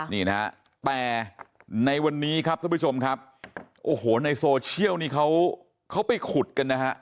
นี่นะฮะแต่ในวันนี้ครับท่านผู้ชมครับโอ้โหในโซเชียลนี่เขาไปขุดกันนะฮะ